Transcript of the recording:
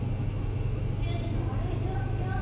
趣味の悪いジョークよ。